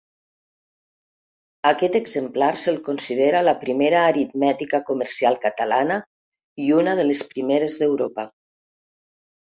Aquest exemplar se’l considera la primera aritmètica comercial catalana i una de les primeres d’Europa.